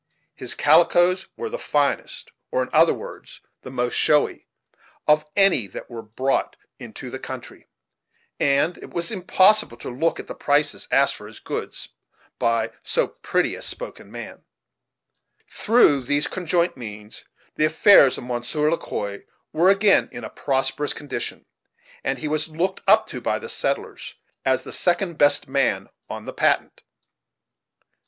His calicoes were the finest, or, in other words, the most showy, of any that were brought into the country, and it was impossible to look at the prices asked for his goods by "so pretty a spoken man," Through these conjoint means, the affairs of Monsieur Le Quoi were again in a prosperous condition, and he was looked up to by the settlers as the second best man on the "Patent."